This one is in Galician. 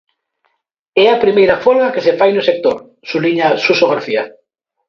"É a primeira folga que se fai no sector", subliña Suso García.